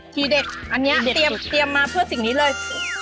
ทีเด็ดอันนี้เตรียมมาเพื่อสิ่งนี้เลย